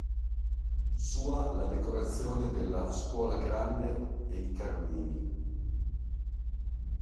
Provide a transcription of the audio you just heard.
Sua la decorazione della Scuola Grande dei Carmini.